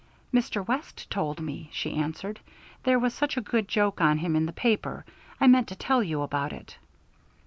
"Mr. West told me," she answered. "There was such a good joke on him in the paper. I meant to tell you about it."